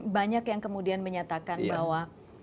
banyak yang kemudian menyatakan bahwa